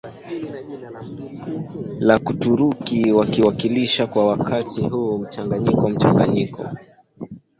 la Kituruki wakiwasilisha kwa wakati huu mchanganyiko mchanganyiko